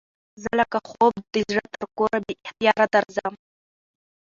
زه لکه خوب د زړه تر کوره بې اختیاره درځم